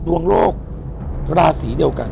อยู่ที่แม่ศรีวิรัยิลครับ